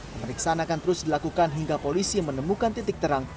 pemeriksaan akan terus dilakukan hingga polisi menemukan titik terang